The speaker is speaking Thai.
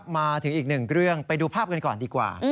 มาถึงอีกหนึ่งเรื่องไปดูภาพกันก่อนดีกว่า